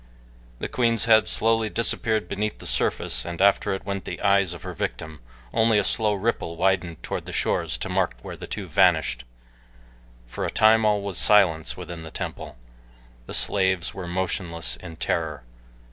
The queen's head slowly disappeared beneath the surface and after it went the eyes of her victim only a slow ripple widened toward the shores to mark where the two vanished. For a time all was silence within the temple. The slaves were motionless in terror.